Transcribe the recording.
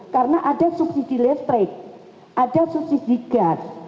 karena ada subsidi listrik ada subsidi gas